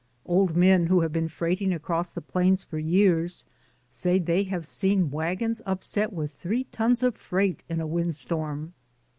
Old men who have been freighting across the plains for years, say they have seen wagons upset with three tons of freight in a wind storm.